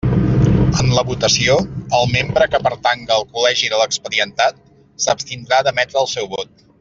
En la votació, el membre que pertanga al col·legi de l'expedientat, s'abstindrà d'emetre el seu vot.